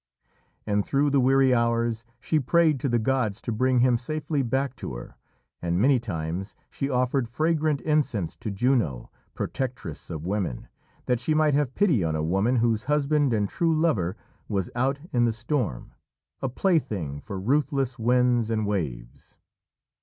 And through the weary hours she prayed to the gods to bring him safely back to her, and many times she offered fragrant incense to Juno, protectress of women, that she might have pity on a woman whose husband and true lover was out in the storm, a plaything for ruthless winds and waves.